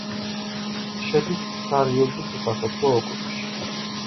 შედის სარიობის სასოფლო ოკრუგში.